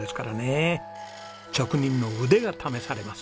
職人の腕が試されます。